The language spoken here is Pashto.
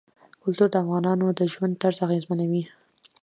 کلتور د افغانانو د ژوند طرز اغېزمنوي.